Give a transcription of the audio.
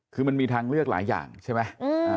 คือมันมีทางเลือกหลายอย่างใช่ไหม